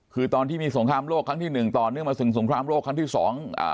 คือตอนที่มีสงครามโลกครั้งที่หนึ่งต่อเนื่องมาถึงสงครามโลกครั้งที่สองอ่า